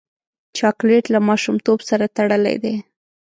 چاکلېټ له ماشومتوب سره تړلی دی.